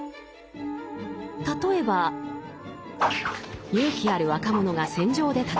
例えば勇気ある若者が戦場で戦っています。